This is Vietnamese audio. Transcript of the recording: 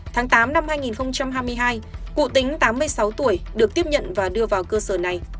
tháng tám năm hai nghìn hai mươi hai cụ tính tám mươi sáu tuổi được tiếp nhận và đưa vào cơ sở này